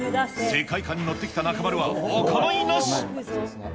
世界観に乗ってきた中丸はお構いなし。